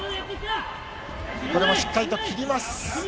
これもしっかりと切ります。